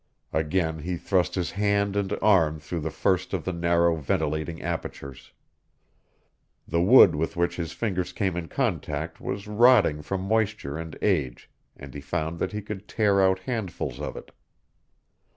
Again he thrust his hand and arm through the first of the narrow ventilating apertures. The wood with which his fingers came in contact was rotting from moisture and age and he found that he could tear out handfuls of it.